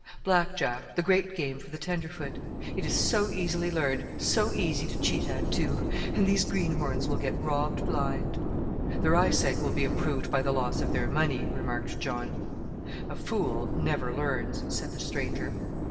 "Black Jack, the great game for the tenderfoot. It is so easily learned, so easy to cheat at, too; and these greenhorns will get robbed blind." "Their eyesight will be improved by the loss of their money," remarked John. "A fool never learns," said the stranger.